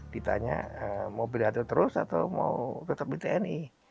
ditanya mau pidato terus atau mau tetap di tni